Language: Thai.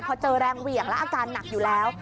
พอเจอแรงเหวี่ยงแล้วอาการหนักอยู่แล้ว